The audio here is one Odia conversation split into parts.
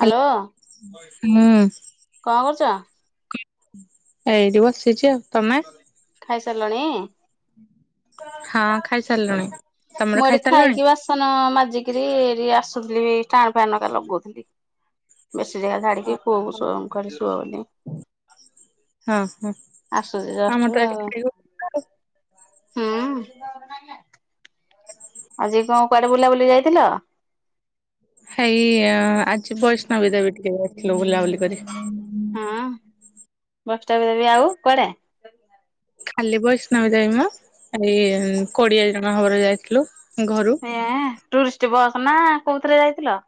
ହ୍ୟାଲୋ ହୁଁ କଣ କରୁଛ? ଏଇଠି ବସିଛି ଆଉ, ତମେ? ଲଣି? ହଁ ଖାଇ ସାରିଲୁଣି। ମୁଁ ଏଠି ଖାଇକି ବାସନ ମାଜିକିରି ଏ ଆସୁଥିଲି। ଷ୍ଟାଣ୍ଡ ଫ୍ୟାନ୍ ଟା ଲଗଉଥିଲି। ବେଡ଼ସିଡ ଜାଗା ଝାଡ଼ିକି ପୁଅକୁ ସୁଆ [inaudible] ହଁ ହଁ ଆମ ର ତ ଏଠି ଆଉ ଖାଇବୁ [unintelligible] ହୁଁ। ଆଜି କଣ କୁଆଡେ ବୁଲା ବୁଲି ଯାଇଥିଲ? ହେଇ ଅ ଆଜି ବୈଷ୍ଣବୀ ଦେବୀ ଟିକେ ଯାଇଥିଲୁ ବୁଲାବୁଲି କରି। ହଁ ବୈଷ୍ଣବୀ ଦେବୀ ଆଉ କୁଆଡେ? [inaudible] ଖାଲି ବୈଷ୍ଣବୀ ଦେବୀ ମ, ଏଇ ଉମ୍ କୋଡିଏ ଜଣ ହବ ଯାଇଥିଲେ। ଏଁ ଟୁରିଷ୍ଟ ବସ୍ ନା କୋଉଁଥିରେ ଯାଇଥିଲ?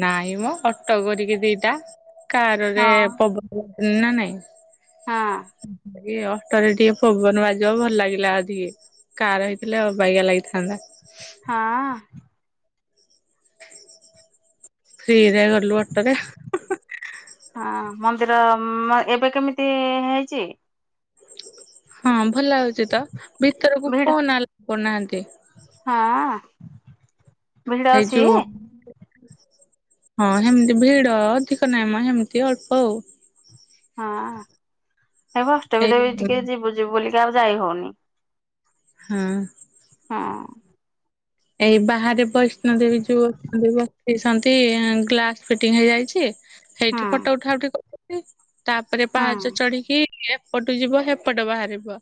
ନାଇଁ ମୋ ଅଟୋ କରିକି ଦିଟା କାରରେ ହଁ ପବ ନା ନାଇଁ [inaudible] ହଁ। ଇଏ ଅଟୋରେ ଟିକେ ପବନ ବାଜିବ ଭଲ ଲାଗିଲା ଅଧିକି କାର ହେଇଥିଲେ ଅବାଗିଆ ଲାଗିଥାନ୍ତା। ହଁ ଫ୍ରୀ ରେ ଗଲୁ ଅଟୋରେ। ହଁ ମନ୍ଦିର ମ ଏବେ କେମିତି ହେଇଚି? ହଁ ଭଲ ଲାଗୁଛି ତ, ଭିତରକୁ ଭିଡ ଫୋନ ଆଲାଉ କରୁନାହାନ୍ତି। ହଁ, ଭିଡ ଏଇ ଅଛି? ଯୋଉ ହଁ ସେମିତି ଭିଡ ଅଧିକ ନାଇ ମ ସେମିତି ଅଳ୍ପ ଆଉ। ହଁ ଏ ବୈଷ୍ଣବୀ ଏଇ ଦେବୀ ଟିକେ ଯିବୁ ଯିବୁ ବୋଲିକି ଆଉ ଯାଇ ହଉନି। ହଁ। ହଁ। ଏଇ ବାହାରେ ବୈଷ୍ଣବୀ ଦେବୀ ଯୋଉ ଅଛନ୍ତି ବତିସ [unintelligible] ଛନ୍ତି ଗ୍ଲାସ ଫିଟିଙ୍ଗ ହେଇଯାଇଛି ହୁଁ ସେଇଠି ଫଟୋ ଉଠା ଉଠି [unintelligible] ତାପରେ ପାହାଚ ହୁଁ। ଚଢିକି ଏପଟୁ ଯିବ ସେପଟେ ବାହାରିବ।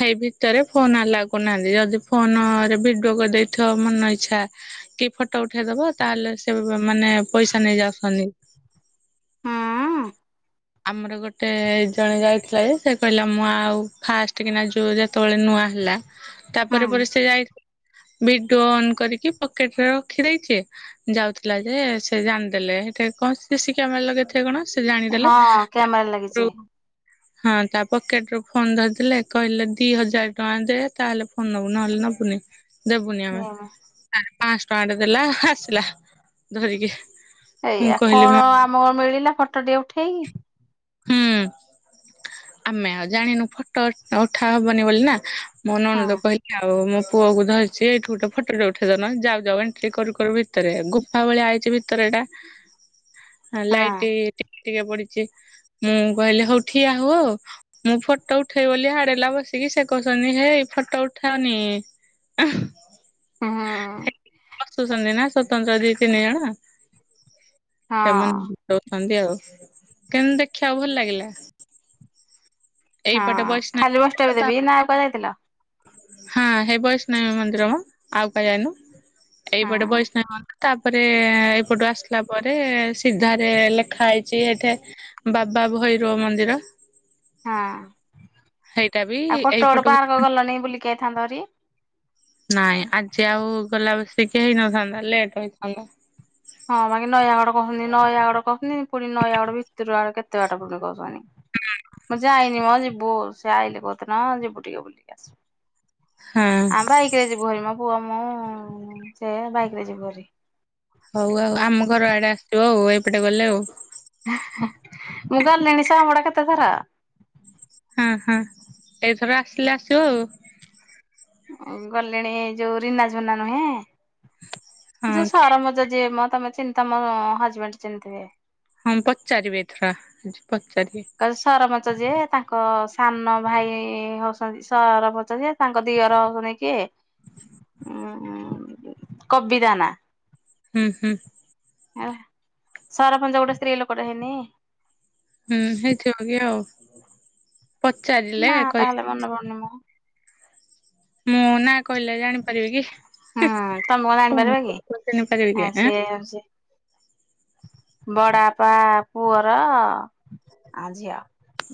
ହେଇ ଭିତରେ ଫୋନ ଆଲାଉ କରୁନାହାନ୍ତି, ଯଦି ଫୋନରେ ଭିଡିଓ କରିଦେଇ ଯୋଉ ମନ ଇଛା କି ଫଟୋ ଉଠେଇଦବ ତାହେଲେ ସେ ବ ମାନେ ପଇସା ନେଇ ଯାଉଛନ୍ତି। ହୁଁ ଆମର ଗୋଟେ ଜଣେ ଯାଇଥିଲା ଯେ, ସେ କହିଲା ମୁଁ ଆଉ ଫାଷ୍ଟ କିନା ଯୋଉ ଯେତେବେଳେ ନୂଆ ହେଲା ତାପରେ ପରେ ପରେ ସେ ଯାଇ ଁ [inaudible] ଭିଡିଓ ଅନ୍ କରିକି ପକେଟରେ ରଖିଦେଇଚି ଯାଉଥିଲା ଯେ ସେ ଜାଣିଦେଲେ [unintelligible] କଣ ସି ସି କ୍ୟାମେରା ଲଗେଇଥିବେ କଣ ସେ ଜାଣିଦେଲେ। ହଁ ତା କ୍ୟାମେରା ଲାଗିଚି। ହଁ ତା ପକେଟ ରୁ ଫୋନ ଧରିଦେଲେ କହିଲେ ଦି ହଜାର୍ ଟଙ୍କା ଦେ ତାହେଲେ ଫୋନ ନବୁ ନହେଲେ ନା ପୁନି ଦେବୁନି ଆମେ ଆ ପାଁସ୍ ଟଙ୍କାଟେ ଦେଲା ଆସିଲା ଧରିକି। ମୁଁ ଏଇଆ କହିଲି ମା କଣ ଆମ ମିଳିଲା ଫଟୋ ଟିଏ ଉଠେଇକି? ହୁଁ ଆମେ ଆଉ ଜାଣିନୁ ଫଟୋ ଉଠା ହବନି ବୋଲି ନା ମୋ ହଁ ନଣନ୍ଦ କହିଚି ଆଉ ମୁଁ ପୁଅ କୁ ଧରିଛି ଏଇଠି ଗୋଟେ ଫଟ ଉଠେଇଦଉନ ଯାଉ ଯାଉ ଏଣ୍ଟ୍ରି କରୁ କରୁ ଭିତରେ ଗୁଫା ଭଳିଆ ହେଇଛି ଭିତରେ ଟା ହଁ ଲାଇଟି ଟିପ୍ ଟିକେ ପଡିଚି ମୁଁ କହିଲି ହଉଠିଆ ହୁଅ ମୁଁ ଫଟୋ ଉଠେଇବି ବୋଲି ହାଡେଲା ବସ୍ ଟିକି ସେ କହୁଛନ୍ତି ଯେ ଫଟୋ ଉଠାଅନି। ହୁଁ ହେ ବସୁଛନ୍ତି ନା ସ୍ବତନ୍ତ୍ର ଦି ତିନି ଜଣ। ହଁ ସେମାନେ ଦଉଛନ୍ତି ଆଉ କିନ୍ତୁ ଦେଖିବାକୁ ଭଲ ଲାଗିଲା? ହଁ ଖାଲି ବୈଷ୍ଣବୀ ଦେବୀ ନା ଆଉ କୁଆଡେ ଯାଇଥିଲ? ହଁ ହେ ବୈଷ୍ଣବୀ ମନ୍ଦିର ମ ଆଉ କୁଆଡେ ଯାଇନୁ ହଁ ଏଇପଟେ ବୈଷ୍ଣବୀ ମନ୍ଦିର। ତାପରେ ଏପଟୁ ଆସିଲା ପରେ ସିଧାରେ ଲେଖା ହେଇଚି ଏଠେ ବାବା ବା ଭୈରବ ମନ୍ଦିର ହଁ ଆଉ ସେଇଟା ବି [unintelligible] ପାର୍କ ଏଇପଟକୁ ଗଲନି, ବୁଲିକି ଆଇଥାନ୍ତଭାରି। ନାଇଁ ଆଜି ଆଉ ଗଲା ବସି କେହି ନଥାନ୍ତା ଲେଟ୍ ହୋଇଥାନ୍ତା। ହଁ ବାକି ନୟାଗଡ଼ କହୁଛନ୍ତି ନୟାଗଡ଼ କହୁଛନ୍ତି ପୁଣି ନୟାଗଡ ଭିତରୁ ଆଡେ କେତେ ବାଟ ପୁଣି କହୁଛନ୍ତି। ମୁଁ ଯାଇନି ମ ଯିବୁ ସେ ଆଇଲେ କୋଉଁଦିନ ଯିବୁ ଟିକେ ବୁଲିକି ଆସିବୁ। ହଁ ଆମ ବାଇକରେ ଯିବୁ ଭାରି ମୋ ପୁଅ ମୁଁ ସେ ବାଇକରେ ଯିବୁ ଭାରି। ହଉ ଆଉ ଆମ ଘର ଆଡେ ଆସିବ ଆଉ ଏଇପଟେ ଗଲେ ଆଉ। ଆ ହା ମୁଁ ଗଲେଣି ଶଁବଡ଼ା କେତେଥର। ହଁ ହଁ ଏଇଥର ଆସିଲେ ଆସିବ ଆଉ। ଅଁ ଗଲିଣି ଯୋଉଁ ରୀନା ଝୁନା ନୁହେଁ ହଁ ଯିଏ କି ସରପଞ୍ଚ ଯିଏ ମ ତମେ ଚିନ୍‌ଥା ମ ହଜବେଣ୍ଡ ଚିନ୍ ଥିବେ। ହୁଁ ପଚାରିବେ ଏଥର ଆଜି ପଚାରିବେ। ଚ ଯିଏ ତାଙ୍କ ସାନ ଭାଇ ହଉଛନ୍ତି ସରପଞ୍ଚ ଯେ ତାଙ୍କ ଦିଅର ହେଉଛନ୍ତି କିଏ? ହୁଁ କବି ତା ନାଁ। ହୁଁ ହୁଁ। ଏ ସରପଞ୍ଚ ଗୋଟେ ସ୍ତ୍ରୀ ଲୋକଟେ ହେଇନି? ହୁଁ ହେଇଥିବ ଆଉ ପଚାରିଲେ ନା ଟା ହେଲେ ମନେ କହିବି। ପଡୁନି ମୋ ମୋ ନାଁ କହିଲେ ଜାଣିପାରିବେ କି? ହଁ ତମେ କଣ ଆଣିପାରିବ କି? ଚିହ୍ନି ପାରିବି କି ଆ ଆଁ ସିଏ ଅ ସିଏ ବଡାପା ପୁଅର ଆ ଝିଅ,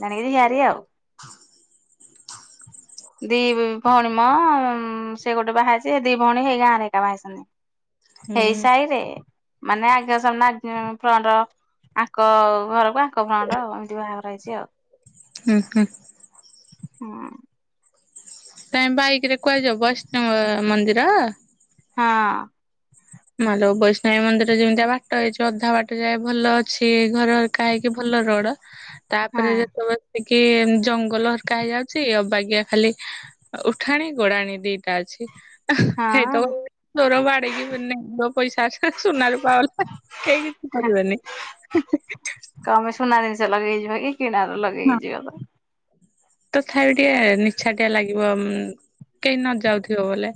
ଜାଣିକିରି ଝିଆରି ଆଉ। ଦି ଭଉଣୀ ମ ସେ ଗୋଟେ ବାହା ହେଇଛି, ହେ ଦି ଭଉଣୀ ହେଇ ଗାଁ ରେ ଏକା ବାହା ହେଇସନ୍ତି। ହୁଁ ହେଇ ସାହିରେ ମାନେ ଆଜ୍ୟ ସମାଜ୍ ଫ୍ରଣ୍ଟ। ଆଙ୍କ ଘରକୁ ଆଙ୍କ ଭଉଣୀର ଏମିତି ବାହାଘର ହେଇଛି ଆଉ। ହୁଁ ହୁଁ। ହଁ। ତମେ ବାଇକରେ କୁଆଡେ ଯିବ ବୈଷ୍ଣବ ମନ୍ଦିର? ହଁ। ମାଲୋ ବୈଷ୍ଣବୀ ମନ୍ଦିର ଯେମିତିଆ ବାଟ ହେଇଛି ଅଧା ବାଟ ଯାଏ ଭଲ ଅଛି ଘର ଘରିକା ହେଇକି ଭଲ ଲା ରଡ ହଁ ତାପରେ ଯେତବେଳେ ପିଁ କି ଜଙ୍ଗଲ ହରକା ଯାଉଛି ଅବାଗିଆ ଖାଲି ଅ ଉଠାଣି ଗଡାଣି ଦିଟା ଅଛି। ଆ ହଁ ହେଇଥବ ମୋର ବାଡେଇକି ପୁନେ ତମ ପଇସା ଅଛି ବା ସୁନା ରୂପା ହଲା କେହି କିଛି କରିବେନି। କଣ ସୁନା ଜିନିଷ ଲଗେଇ ଯିବ କି କିଣାର ଲଗେଇକି ଯିବ ତ ତଥାବି ଟିକେ ନିଛାଟିଆ ଲାଗିବ ଉଁ କେହି ନ ଯାଉଥିବ ବୋଲେ।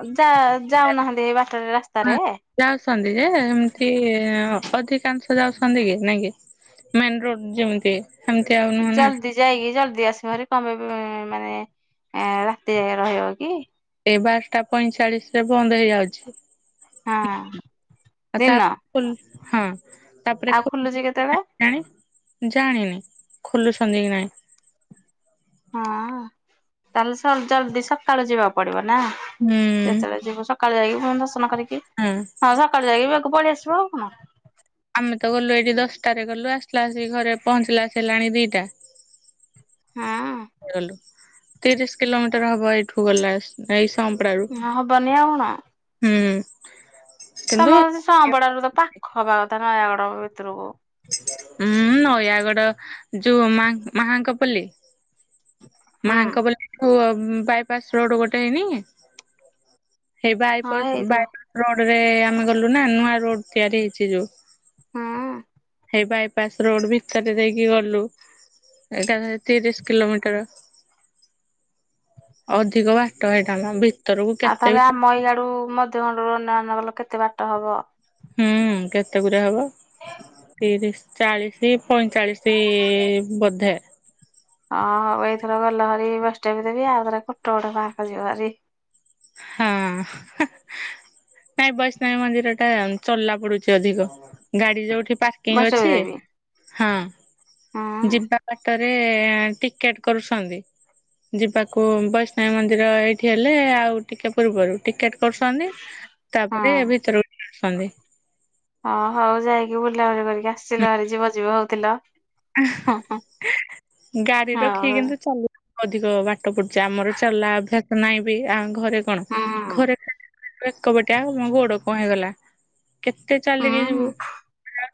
ଅ ଯା ଯାଉନାହାନ୍ତି ଏ ବାଟରେ ରାସ୍ତାରେ? ଯାଉଛନ୍ତି ଯେ ଏମିତି ଅଧିକାଂଶ ଯାଉଛନ୍ତି କି? ନାଇଁ କି ମେନ ରୋଡ ଯେମିତି। ସେମିତି ଆଉ ନୁହଁ ନା ଜଲଦି ଯାଇକି ଜଲଦ୍ ଦି ଆସିବ ଭାରି ତମେ ବି ମାନେ ଏଁ ରାତିଯାଏ ରହିବ କି? ଏ ବାରଟା ପଇଁଚାଳିଶରେ ବନ୍ଦ ହେଇଯାଉଛି। ହଁ ଆଉ ତା ଦିନ। ଖୋଲ ହଁ ତାପରେ ଆଉ ଖଣି ଖୋଲୁଛି କେତେବେଳେ [unintelligible] ଜାଣିନି ଖୋଲୁ ସନ୍ତି କି ନାହିଁ। ହଁ ତାହେଲେ ଜଲଦି ସକାଳୁ ଯିବାକୁ ପଡିବ। ନା ହୁଁ ଯେତେବେଳେ ଯିବୁ ସକାଳୁ ଯାଇକି ପୁଣି ଦର୍ଶନ କରିକି ହଁ ସକାଳୁ ଯାଇକି ପଳେଇ ଆସିବ ଆଉ କଣ। ଆମେ ତ ଗଲୁ ଏଇଠି ଦଶଟାରେ ଗଲୁ ଆସିଲାବଳସି ଆସିକି ଘରେ ପହଞ୍ଚିଲା ବସକି ହେଲାଣି ଦି'ଟା। ତିରିଶ କିଲୋମିଟର ହବ ଏଇଠୁ ଗଲା ଏଇସ୍ ତମ୍ପରାରୁ ହୁଁ ହବନି ଆଉ କଣ ହୁଁ କିନ୍ତୁ ତମ ସେ ସମ୍ପଡା ରୁ ତ ପାଖ ହବା କଥା ନୟାଗଡ ଭିତରୁକୁ। ହୁଁ ନୟାଗଡ ଯଉ ମାହାଙ୍କ ପଲ୍ଲୀ ହୁଁ ମାଙ୍କ ପଲ୍ଲୀ କୁ ବାଇପାସ ରୋଡ ଗୋଟେ ହେଇନି ସେଇ ହଁ ବାଇପାସ ହେଇଥିବ ବାଇପାସ ରୋଡରେ ଆମେ ଗଲୁ ନା ନୂଆ ରୋଡ ତିଆରି ହେଇଛି ଯୋଉ ହଁ ଅଁ ବାଇପାସ ରୋଡ ଭିତରେ ଦେଇକି ଗଲୁ ଏକା ତିରିଶ କିଲୋମିଟର। ଅଧିକ ବାଟ ହେଇଟାନା ଭି ଆଉ ତାହେଲେ ଆମ ଏଇଆଡୁ ମଧ୍ୟଭଣ୍ଡରୁ ଅନେଇ ଅନେଇ ଗଲ କେତେ ବାଟ ହବ, ହୁଁ କେତେ ଗୁରେ ହବ, ତିରିଶ ଚାଳିଶ ପଇଁଚାଳିଶ ବୋଧେ, ହଁ ହଉ ଏଇଥର ଗଲ ହରି ବୈଷ୍ଣବି ଦେବି ଆଉଥରେ କୋଟଗଡ଼ ପାର୍କ ଜୀବଭାରି ପାର୍କ ଯିବ ହରି ହୁଁ ହ ନାଇଁ ବୈଷ୍ଣବୀ ମନ୍ଦିର ଟା ଚଲା ପଡୁଛି ଅଧିକ ଗାଡି ଯୋଉଠି ପାର୍କିଂ ବୈଷ୍ଣବୀ ଅଛି ଦେବୀ ହଁ ହୁଁ ଯିବା ବାଟରେ ଟିକେଟ କରୁସନ୍ତି। ଯିବାକୁ ବୈଷ୍ଣବି ମନ୍ଦିର ଏଇଠି ହେଲେ ଆଉ ଟିକେ ପୂର୍ବରୁ ଟିକେଟ କରୁଛନ୍ତି ହଁ ତାପରେ ଏ ଭିତରକୁ ଆଣୁଛନ୍ତି। ହ ହଉ ଯାଇକି ବୁଲାବୁଲି କରିକି ଆସିଲ ଭାରି ଯିବ ଯିବ ହଉଥିଲ। ହଁ ହଁ ହିଁ ଇ ଗାଡି ରଖିକି ହଉ କିନ୍ତୁ ଚାଲୁ ଅଧିକ ବାଟ ପଡୁଛି ଆମର ଚଲା ଅଭ୍ୟାସ ନାଇଁ ବି ଆଙ୍କ ଘରେ କଣ ହୁଁ ଘରେ କଣ ଏକବଟଆ ମୋ ଗୋଡ କଣ ହେଇଗଲା। କେତେ ଚାଲିକି ହୁଁ ଯିବୁ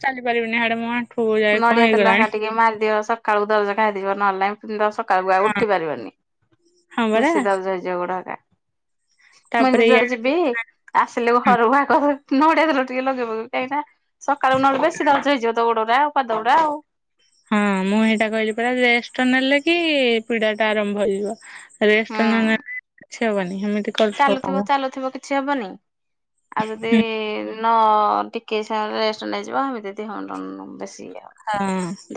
ଚାଲିପାରିବିନି ହାଡେ ମୋଣ୍ଠୁ ଯାଏ ନଡିଆ କଣ ତେଲ ହେକା ହେଇଗଲାଣି। ଟିକେ ମାରିଦିଅ ସକାଳକୁ ଦରଜ ଖାଇଯିବ ନହେଲେ ନାହିଁ ସକାଳୁକୁ ଆଉ ଉଠି ପାରିବନି। ହଁ ପରା ବେଶି ଦରଜ ହେଇଯିବ ଗୁଡ ହକା। ମୂଁଇନ୍ତି ତାପରେ ୟା ଯୁଆଡେ ଯିବି ଆସ ଘର ବାହାଗ ନଡିଆ ତେଲ ଟିକେ ଲଗେଇ ପକେଇବି କାହିଁକି ନା ସକାଳୁ ନ ବେଶୀ ଦରଜ ହେଇଯିବ ତ ଗୋଡଗୂରା ଆଉ ପାଦ ଗୁଡା ଆଉ। ହଁ ମୁଁ ହେଇଟା କହିଲି ପରା ରେଷ୍ଟ ନେଲେ କି ପୀଡା ଟା ଆରମ୍ଭ ହେଇଯିବ, ରେଷ୍ଟ ହୁଁ ନନେବି କିଛି ହବନି। ସେମିତି କରୁଥିବ କାମ ଚାଲୁଥିବ ଚାଲୁଥିବ କିଛି ହବନି ଆଉ ଯଦି ହଁ ଇ ନ ଟିକେ ସମୟ ରେଷ୍ଟ ନେଇଯିବ ହେମିତି ଦିଇ ଘଣ୍ ବେଶୀ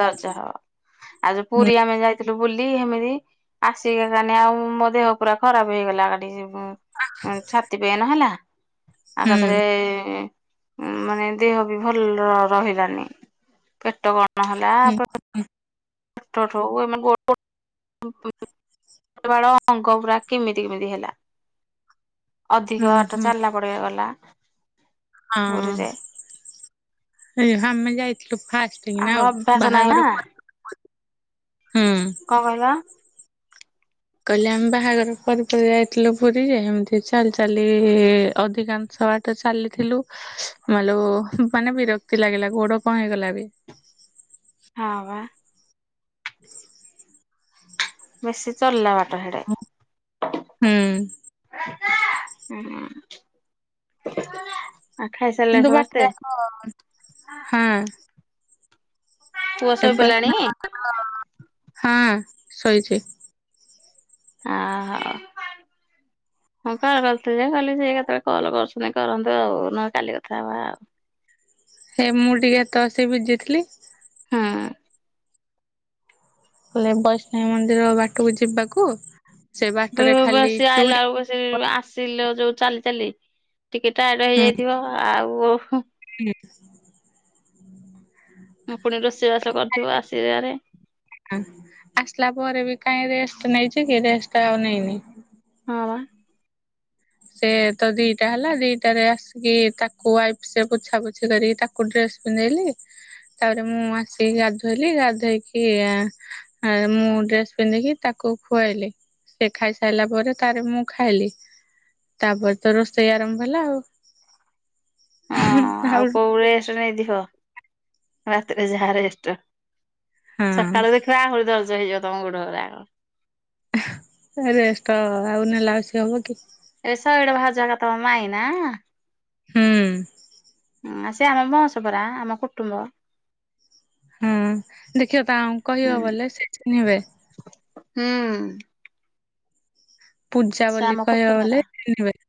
ଦରଜ ହବ ଆଉ ଯୋଉ ହୁଁ ପୁରୀ ଆମେ ଯାଇଥିଲୁ, ବୁଲି ହେମିତି ଆସିକି ମାନେ ଆଉ ମୋ ଦେହ ପୁରା ଖରାପ ହେଇଗଲା ଗାଡି ଛାତି ପେନ ହେଲା ହୁଁ। ଆକାଥରେ ମାନେ ଦେହ ବି ଭଲ ରହିଲାନି ପେଟ କଣ, ହୁଁ, ପେଟ ଠୁ ମାନେ ଗୋଡ଼ ଅଙ୍ଗ ପୁରା କେମିତି କେମିତି ହେଲା। ଅଧିକ ହୁଁ ବାଟ ଚାଲିଲା ପଡିବା ଗଲା। ପୁରୀରେ ହୁଁ ଆମେ ଯାଇ ଫାଷ୍ଟକିନା ଆମର ଆଉ ଅଭ୍ୟାସ ନାହିଁ ନା ବାହାଘର କଣ ହୁଁ ଉଁ କହିଲ କହିଲେ ଆମେ ବାହାଘର ପରେପରେ ଯାଇଥିଲୁ ପୁରୀ ଯେ ଏମିତି ଚାଲି ଚାଲି ଅଧିକାଂଶ ତବାଟ ଚାଲିଥିଲୁ ମାଲୋ ମାନେ ବିରକ୍ତି ଲାଗିଲା ଗୋଡ କଣ ହେଇଗଲା ବି ହଁ ବା, ବେଶୀ ଚଲିଲା ବାଟ ହେଠେ ହୁଁ ଉ ହୁଁ ଆ ଖାଇ ସାରିଲେ କିନ୍ତୁ ସମସ୍ତେ। ବାଟ ପୁଅ ଏ ଶୋଇପଡ଼ିଲାଣି ହଁ ଶୋଇଚି। ଓ ହୋ। ମୁଁ କଲ୍ କରିଲଥିଲେ ଯେ କହଲି ସେ କେତେବେଳେ କଲ୍ କରୁଛନ୍ତି କରନ୍ତୁ ଆଉ ନହେଲେ କାଲି କଥା ହବା ଆଉ। ହେ ମୁଁ ଟିକେ ତସେ ବିଯି ଥିଲି। ହଁ। କଲେ ବୈଷ୍ଣବୀ ମନ୍ଦିର ବାଟକୁ ଯିବାକୁ। ସେ ବାଟରେ ଖାଲି ବସି ଆଇଲା ଚୁଡି ବେଳକୁ ବସେଇ ଆସିଲ ଯୋଉ ଚାଲି ଚାଲି। ଟିକେଟେ ଟା ଆଡ଼୍ ହୁଁ ହେଇଯାଇଥିବ ଆଉ। [inaudible] ପୁଣି ରୋଷେଇବାସ କରିଥିବ ଆସିବାରେ। ଆସିଲା ପରେ ବି କାଇଁ ରେ ନେଇଛି କି ରେଷ୍ଟ ଆଉ ନେଇନି। ହଁ ବା। ସେ ତ ଦିଟା ହେଲା ଦିଟରେ ଆସିକି ତାକୁ ୱାଇଫ ସେ ପୋଛା ପୋଛି କରିକି ତାକୁ ଡ୍ରେସ୍ ପିନ୍ଧେଇଲି। ତାପରେ ମୁଁ ଆସି ଗାଧୋଇଲି ଗାଧୋଇକି ମୁଁ ଡ୍ରେସ୍ ପିନ୍ଧିକି ତାକୁ ତାକୁ ଖୁଆଇଲି ସେ ଖାଇ ସାରିଲା ପରେ ତାର ମୁଁ ଖାଇଲି। ତାପରେ ତ ରୋଷେଇ ଆରମ୍ଭ ହେଲା ହଁ ଆଉ ଆ ଆଉ କୋଉ ରେଷ୍ଟ ନେଇଥିବ ରାତିରେ ଯାହାରେଷ୍ଟ। ସକାଳୁ ହଁ ଦେଖିବା ଆହୁରି ଧର୍ଜ ହେଇଯିବ ତମ ଗୋଡ଼ ଅରାଗ। ରେଷ୍ଟ ଆଉ ନେଲା ଆ ସେ ହବ କି। ଏ ସଟ ଭଜାଗା ତ ମା ଆଇନା। ହୁଁ। ହଁ ଆ ସେ ଆମ ବହସ ପରା ଆମ କୁଟୁମ୍ବ। ହଁ ଦେଖିବ ତା କହିବ ହୁଁ ବଲେ ସେ ଚିହ୍ନିବେ। ହୁଁ। ପୂଜା ସେ ବୋଲି ଆମ କହିବାକୁ କୁଟୁମ୍ବର। ବଲେ ଚିହ୍ନିବେ।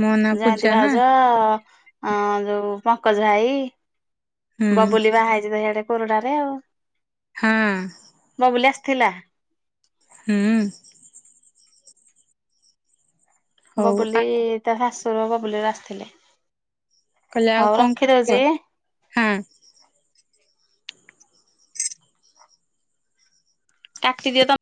ମୋ ନାଁ ଜୟନ୍ତୀ ପୂଜା ନା ଭାଉଜ ଯୋଉ ପଙ୍କଜ ଭାଇ। ହୁଁ ବବୁଲି ବାହା ହେଇଛି ତ ସେଇଆଡ଼େ କୁରୁଡାରେ ଆଉ। ହଁ। ଥିଲା। ହଁ। ହଉ ଆ ବବୁଲି ତା ଶାଶୁୁର ବବୁଲିର ଆସିଥିଲେ। କହିଲେ ଆଉ ହଉ କଣ ରଖି କରିବ ଦଉଚି। ହଁ। କାଟି ଦିଅ ତ